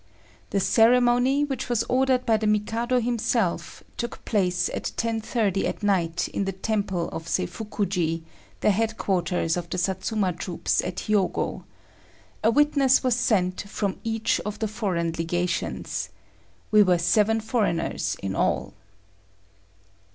The ceremony, which was ordered by the Mikado himself, took place at 10.30 at night in the temple of Seifukuji, the headquarters of the Satsuma troops at Hiogo. A witness was sent from each of the foreign legations. We were seven foreigners in all.